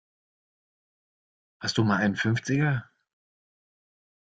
Hast du mal einen Fünfziger?